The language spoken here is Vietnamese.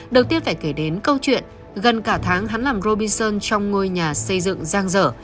đầu tiên phải kể đến câu chuyện gần cả tháng hắn làm robinson trong ngôi nhà xây dựng giang dở